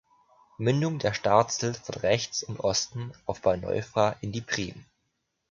Mündung der "Starzel" von rechts und Osten auf bei Neufra in die Prim.